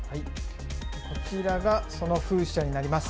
こちらがその風車になります。